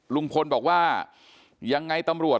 ลุงพลบอกว่ายังไงตำรวจ